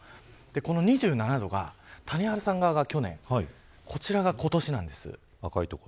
この２７度が谷原さん側が去年こちらが今年なんです。